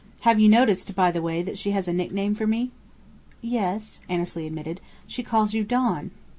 Have you noticed, by the way, that she has a nickname for me?" "Yes," Annesley admitted. "She calls you 'Don.'"